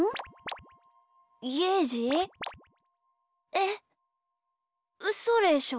えっうそでしょ？